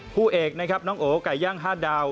ผู้เอกน้องโอไก่ย่าง๕ดาว